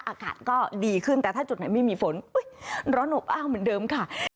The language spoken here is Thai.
อากาศก็ดีขึ้นแต่ถ้าจุดไหนไม่มีฝนร้อนอบอ้าวเหมือนเดิมค่ะ